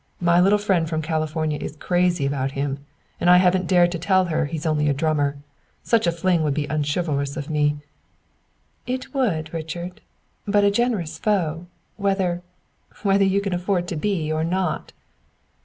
My little friend from California is crazy about him and I haven't dared tell her he's only a drummer; such a fling would be unchivalrous of me " "It would, Richard. Be a generous foe whether whether you can afford to be or not!"